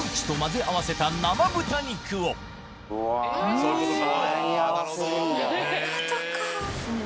そういうことか。